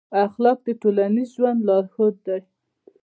اخلاق د ټولنیز ژوند لارښود دی.